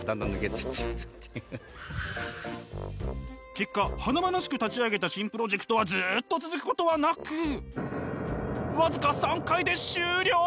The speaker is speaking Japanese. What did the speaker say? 結果華々しく立ち上げた新プロジェクトはＺＯＯっと続くことはなく僅か３回で終了！？